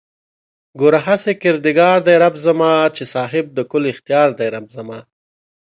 گوره هسې کردگار دئ رب زما چې صاحب د کُل اختيار دئ رب زما